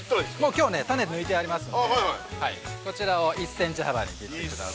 ◆きょう、種抜いてありますんでこちらを１センチ幅に切ってください。